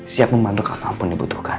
siap membantu kakak pun dibutuhkan